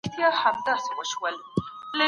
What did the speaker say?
د شاهينانو مسکن دی.